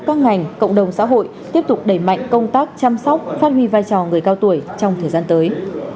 các ngành cộng đồng xã hội tiếp tục đẩy mạnh công tác chăm sóc phát huy vai trò người cao tuổi trong thời gian tới